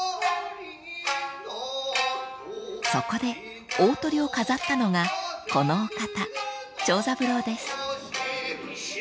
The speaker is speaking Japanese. ［そこで大トリを飾ったのがこのお方］